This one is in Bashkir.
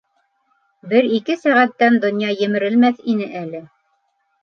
Бер-ике сәғәттән донъя емерелмәҫ ине әле!